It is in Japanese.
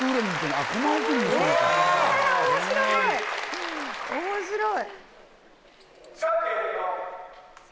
面白い！